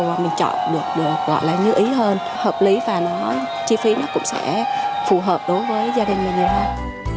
mà mình chọn được được gọi là như ý hơn hợp lý và nó chi phí nó cũng sẽ phù hợp đối với gia đình này nhiều hơn